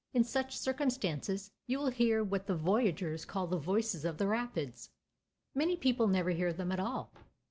In such circumstance you will hear what the voyageurs call the voices of the rapids. Many people never hear them at all.